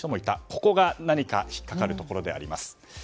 ここが引っ掛かるところであります。